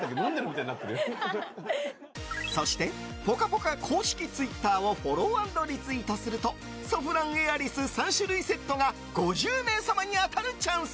そして「ぽかぽか」公式ツイッターをフォロー＆リツイートするとソフランエアリス３種類セットが５０名様に当たるチャンス！